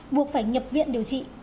buộc phải nhập viện điều trị